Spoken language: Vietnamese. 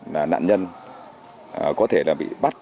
là nạn nhân có thể là bị bắt